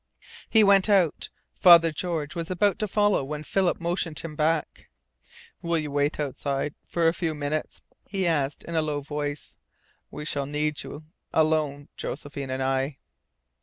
He went out. Father George was about to follow when Philip motioned him back. "Will you wait outside for a few minutes?" he asked in a low voice. "We shall need you alone Josephine and I."